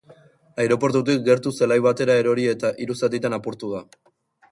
Aireportutik gertu zelai batera erori eta hiru zatitan apurtu da.